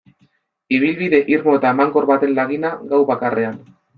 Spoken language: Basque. Ibilbide irmo eta emankor baten lagina, gau bakarrean.